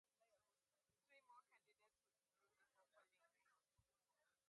Three more candidates withdrew before polling day.